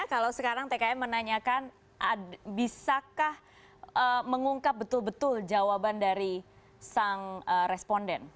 kalau sekarang tkn menanyakan bisakah mengungkap betul betul jawaban dari sang responden